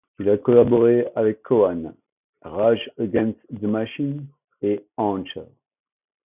Il a collaboré avec KoЯn, Rage Against the Machine et Enhancer.